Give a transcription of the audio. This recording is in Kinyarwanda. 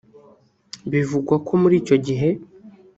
Bivugwa ko muri icyo gihe